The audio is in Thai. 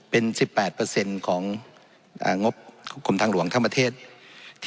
เป็น๑๘ของงบของบำทงหลวงธรรมดุบัติทั้งประเทศ